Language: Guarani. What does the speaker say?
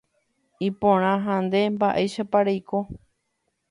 Iporã. Ha nde. Mba’éichapa reiko.